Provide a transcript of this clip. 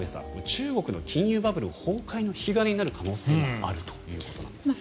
中国の金融バブル崩壊の引き金になる可能性もあるということですね。